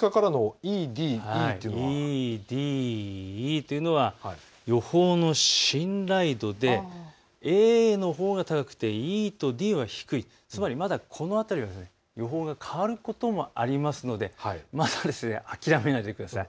このＥＤＥとは予報の信頼度でＡのほうが高くてＥとＤは低い、つまりこの辺りは予報が変わることもありますのでまだ諦めないでください。